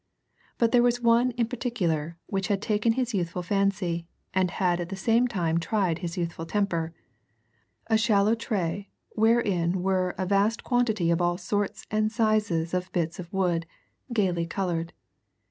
But there was one in particular which had taken his youthful fancy, and had at the same time tried his youthful temper a shallow tray wherein were a vast quantity of all sorts and sizes of bits of wood, gaily coloured.